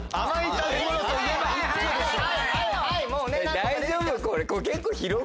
大丈夫？